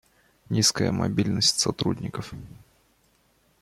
Низкая мобильность сотрудников